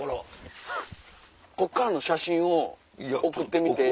こっからの写真を送ってみて。